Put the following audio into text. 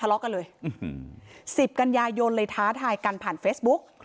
เลาะกันเลย๑๐กันยายนเลยท้าทายกันผ่านเฟซบุ๊ก